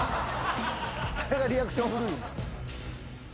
誰がリアクション古いねん。